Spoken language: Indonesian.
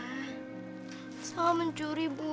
nisa mau mencuri bu